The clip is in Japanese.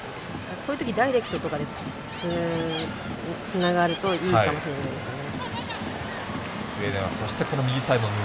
こういうとき、ダイレクトとかでつながるといいかもしれないですね。